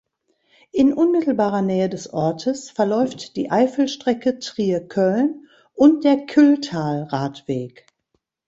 In unmittelbarer Nähe des Ortes verläuft die Eifelstrecke Trier-Köln und der Kylltal-Radweg.